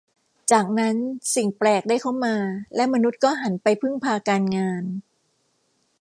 จากนั้นสิ่งแปลกได้เข้ามาและมนุษย์ก็หันไปพึ่งพาการงาน